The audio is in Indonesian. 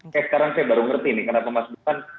kayak sekarang saya baru ngerti nih kenapa mas burhan